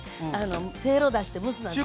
せいろ出して蒸すなんて。